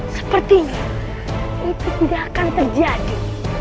sepertinya itu tidak akan terjadi